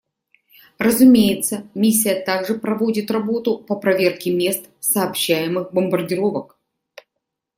Разумеется, Миссия также проводит работу по проверке мест сообщаемых бомбардировок.